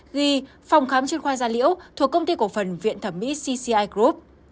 ghi phòng khám chuyên khoa gia liễu thuộc công ty cổ phần viện thẩm mỹ cci group